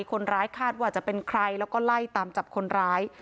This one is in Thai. คนร้ายคาดว่าจะเป็นใครแล้วก็ไล่ตามจับคนร้าย